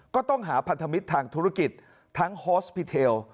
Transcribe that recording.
ก็ต้องหาพันธมิตรทางธุรกิจทั้งฮอสพิเทล